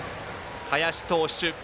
林投手。